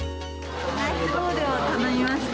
ライスボウルを頼みました。